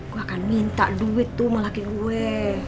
gue akan minta duit tuh melaki gue